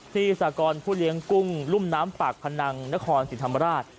สากรผู้เลี้ยงกุ้งรุ่มน้ำปากพนังนครศรีธรรมราช